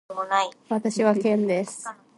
私はケンです。